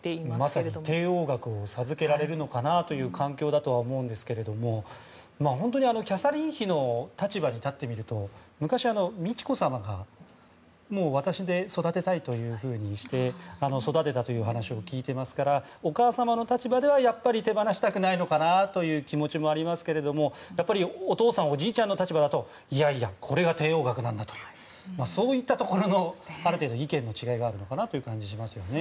まさに帝王学を授けられる環境だとは思うんですけども本当にキャサリン妃の立場に立ってみると昔、美智子さまが私で育てたいというふうにして育てたという話を聞いてますからお母さまの立場では手離したくないのかなという気持ちもありますけどもお父さん、おじいちゃんの立場だといやいやこれが帝王学なんだとそういったところの意見の違いがあるのかなという感じがしますよね。